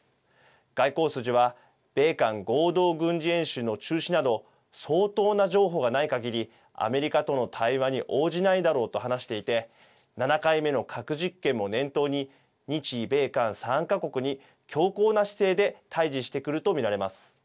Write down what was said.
外交筋は米韓合同軍事演習の中止など相当な譲歩がないかぎりアメリカとの対話に応じないだろうと話していて７回目の核実験も念頭に日米韓３か国に強硬な姿勢で対じしてくると見られます。